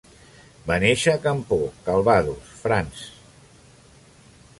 Va néixer a Campeaux, Calvados, France.